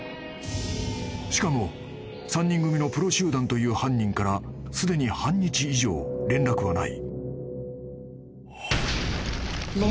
［しかも３人組のプロ集団という犯人からすでに半日以上連絡はない］